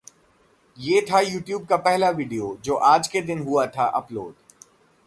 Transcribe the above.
ये था यू-ट्यूब का पहला वीडियो, जो आज के दिन हुआ था अपलोड